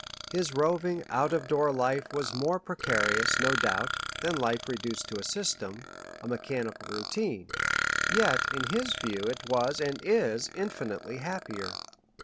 His roving out of door life was more precarious, no doubt, than life reduced to a system, a mechanical routine; yet in his view it was and is infinitely happier.